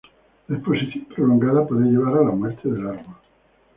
La exposición prolongada puede llevar a la muerte del árbol.